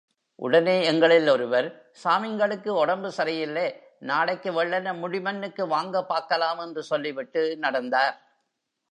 உடனே எங்களில் ஒருவர், சாமிங்களுக்கு ஒடம்புசரியில்லே, நாளைக்குவெள்ளென முடிமன்னுக்கு வாங்க பாக்கலாம் என்று சொல்லிவிட்டு நடந்தார்.